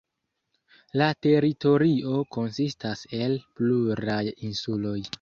La teritorio konsistas el pluraj insuloj.